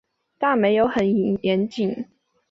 但没有很严谨